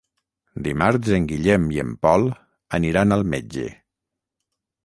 Dimarts en Guillem i en Pol aniran al metge.